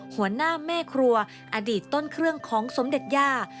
หัวหน้าแม่ครัวอดีตต้นเครื่องของสมเด็จย่า